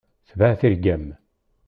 Tbeɛ tirga-m.